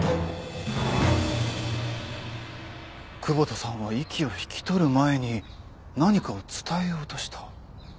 窪田さんは息を引き取る前に何かを伝えようとした。